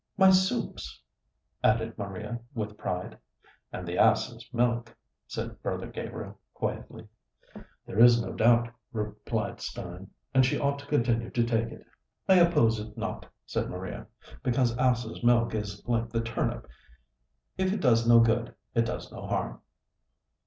"My soups!" added Maria with pride. "And the ass's milk," said Brother Gabriel quietly. "There is no doubt," replied Stein; "and she ought to continue to take it." "I oppose it not," said Maria, "because ass's milk is like the turnip if it does no good it does no harm."